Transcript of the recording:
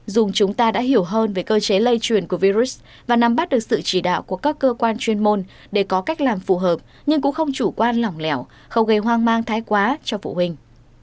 dù chúng ta đã hiểu hơn về cơ chế lây truyền của virus và nắm bắt được sự chỉ đạo của các cơ quan chuyên môn để có cách làm phù hợp nhưng cũng không chủ quan lỏng lẻo không gây hoang mang thái quá cho phụ huynh